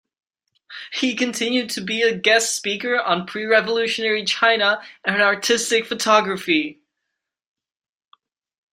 He continued to be a guest speaker on pre-revolutionary China and artistic photography.